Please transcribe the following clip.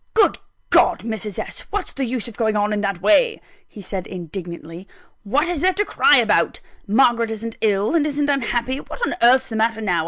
"Good God, Mrs. S.! what's the use of going on in that way?" he said, indignantly. "What is there to cry about? Margaret isn't ill, and isn't unhappy what on earth's the matter now?